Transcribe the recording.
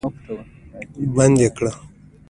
بندي کړ.